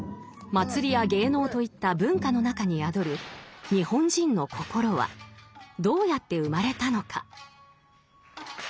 祭りや芸能といった文化の中に宿る日本人の心はどうやって生まれたのか。